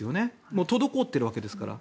もう滞っているわけですから。